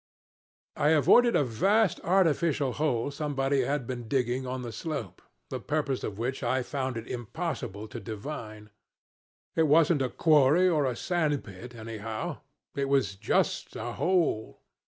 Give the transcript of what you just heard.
"I avoided a vast artificial hole somebody had been digging on the slope, the purpose of which I found it impossible to divine. It wasn't a quarry or a sandpit, anyhow. It was just a hole.